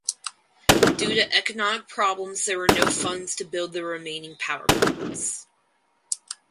Due to economic problems there were no funds to build the remaining power plants.